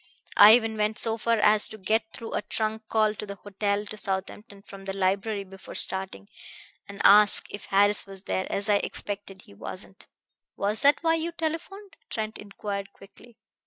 I even went so far as to get through a trunk call to the hotel at Southampton from the library before starting, and ask if Harris was there. As I expected, he wasn't." "Was that why you telephoned?" Trent inquired quickly.